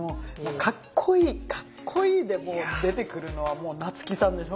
かっこいいかっこいいでもう出てくるのは夏木さんでしょ。